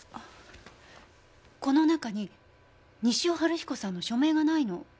この中に西尾晴彦さんの署名がないの。